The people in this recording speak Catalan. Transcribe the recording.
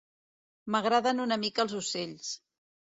M'agraden una mica els ocells.